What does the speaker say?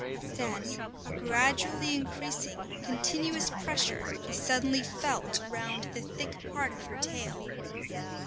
Then a gradually increasing, continuous pressure is suddenly felt round the thick part of her tail.